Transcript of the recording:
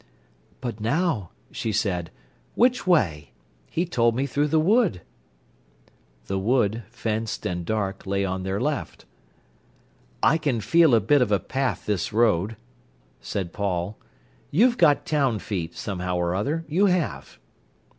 "But now," she said, "which way? He told me through the wood." The wood, fenced and dark, lay on their left. "I can feel a bit of a path this road," said Paul. "You've got town feet, somehow or other, you have."